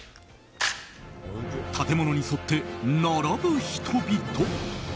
建物に沿って並ぶ人々。